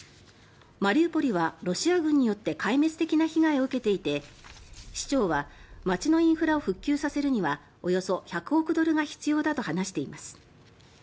マリウポリはロシア軍によって壊滅的な被害を受けていて市長は街のインフラを復旧させるにはおよそ１００億ドルが必要だと話しています。